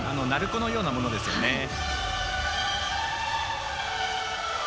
鳴子のようなものですよね。